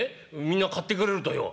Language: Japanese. みんな買ってくれるとよ」。